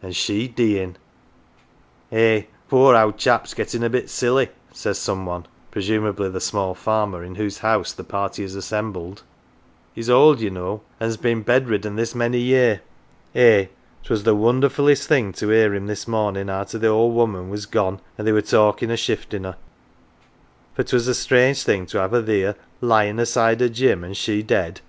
' An' she deein' !" "Eh, th' poor owd chap's gettin' a bit silly," says some one, presumably the small farmer in whose house the party is assembled. " He's old, ye know, an's been bedridden this many year. Eh, 'twas the wonderfullest thing to 'ear him this mornin' arter the owd woman was gone, an' they were talkin' o' shiftin' her for 'twas a strange thing to 'ave her theer lyin' aside o' Jim an' she dead.